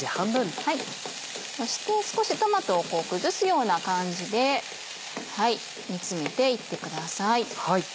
そして少しトマトを崩すような感じで煮詰めていってください。